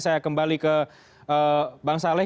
saya kembali ke bang saleh